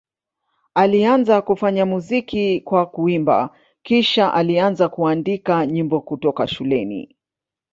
Alianza kufanya muziki kwa kuimba, kisha alianza kuandika nyimbo kutoka shuleni.